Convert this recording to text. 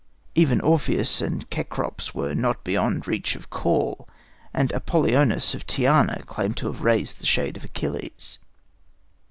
Even Orpheus and Cecrops were not beyond reach of call, and Apollonius of Tyana claimed to have raised the shade of Achilles.